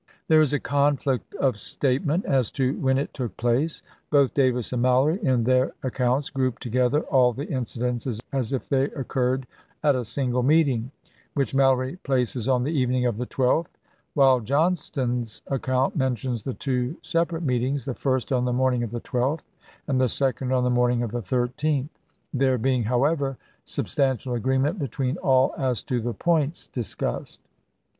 There is a conflict of statement as to when it took place. Both Davis and Mallory in their ac counts group together all the incidents as if they occurred at a single meeting, which Mallory places April, 1865. on the evening of the 12th, while Johnston's ac count mentions the two separate meetings, the first on the morning of the 12th, and the second on the morning of the 13th ; there being, however, sub stantial agreement between all as to the points dis cussed.